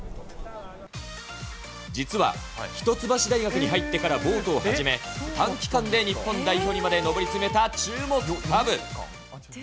実は、一橋大学に入ってからボートを始め、短期間で日本代表にまで上り詰めた注目株。